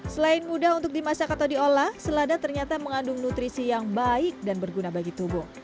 selain mudah untuk dimasak atau diolah selada ternyata mengandung nutrisi yang baik dan berguna bagi tubuh